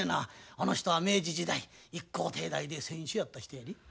あの人は明治時代一高帝大で選手やった人やで。